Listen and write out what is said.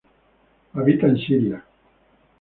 Habita en Siria.